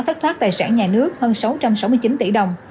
thất thoát tài sản nhà nước hơn sáu trăm sáu mươi chín tỷ đồng